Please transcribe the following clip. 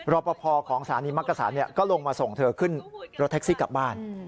รอปภของสถานีมักกษันก็ลงมาส่งเธอขึ้นรถแท็กซี่กลับบ้าน